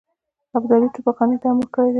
ابدالي توپخانې ته امر کړی دی.